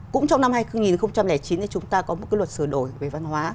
cũng trong năm hai nghìn chín chúng ta có một cái luật sửa đổi về văn hóa